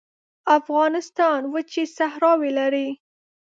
افغانستان وچې صحراوې لري